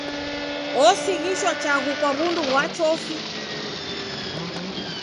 Osighishwa chaghu kwa w'undu ghwa chofi.